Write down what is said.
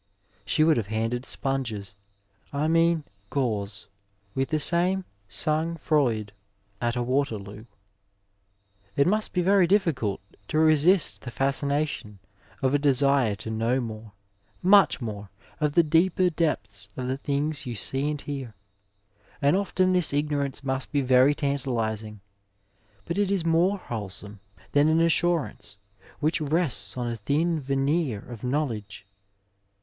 She would have handed sponges — ^I mean gauze — with the same sang froid at a Waterloo. It must be very difficult to resist the fascination of a desire to know more, much more, of the deeper depths of the things you see and hear, and often this ignorance must be very tantalizing, but it is more wholesome than an assurance which rests on a thin veneer of knowledge.